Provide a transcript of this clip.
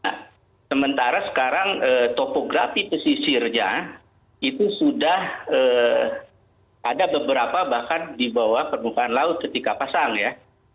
nah sementara sekarang topografi pesisirnya itu sudah ada beberapa bahkan di bawah permukaan laut ketika pasang ya